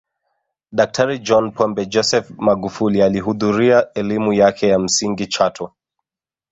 Daktari John Pombe Joseph Magufuli alihudhuria elimu yake ya msingi chato